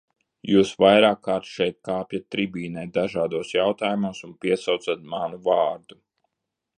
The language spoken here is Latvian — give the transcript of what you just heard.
Jūs vairākkārt šeit kāpjat tribīnē dažādos jautājumos un piesaucat manu vārdu.